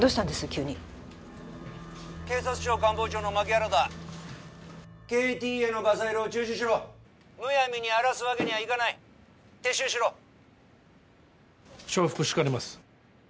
急に警察庁官房長の槇原だＫＴへのガサ入れを中止しろむやみに荒らすわけにはいかない撤収しろ承服しかねます